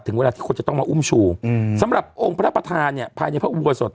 ถึงเวลาที่คนจะต้องมาอุ้มชูสำหรับองค์พระราทนาเฉพาะวัตสน